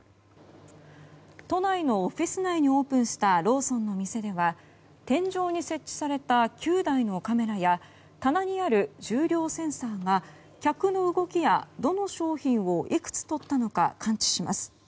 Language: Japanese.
都内のオフィス内にオープンしたローソンの店では天井に設置された９台のカメラや棚にある重量センサーが客の動きやどの商品をいくつ取ったのか感知します。